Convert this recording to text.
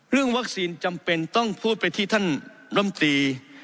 เรื่องวัคซีนจำเป็นต้องพูดไปที่ท่านลำตี